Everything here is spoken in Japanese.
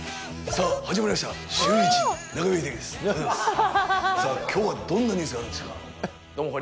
さあ、きょうはどんなニュースがあるんでしょうか。